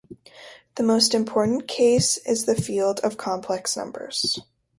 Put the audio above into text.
The most important case is the field of complex numbers.